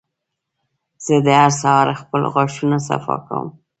زه هر سهار خپل غاښونه صفا کوم.